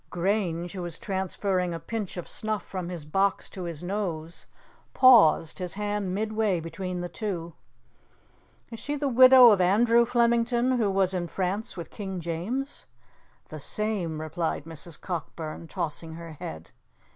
Grange, who was transferring a pinch of snuff from his box to his nose, paused, his hand midway way between the two. "Is she the widow of Andrew Flemington, who was in France with King James?" "The same," replied Mrs. Cockburn, tossing her head.